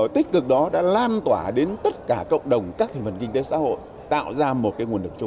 tạo ra một nguồn lực trung